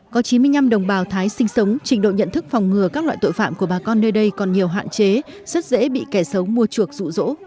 có chín mươi năm đồng bào thái sinh sống trình độ nhận thức phòng ngừa các loại tội phạm của bà con nơi đây còn nhiều hạn chế rất dễ bị kẻ xấu mua chuộc rụ rỗ